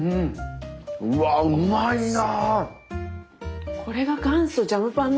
うわうまいな。